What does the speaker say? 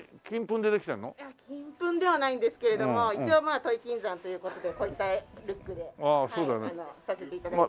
いや金粉ではないんですけれども一応土肥金山という事でこういったルックでさせて頂いてます。